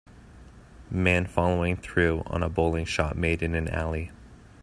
Man following through on a bowling shot made in an alley.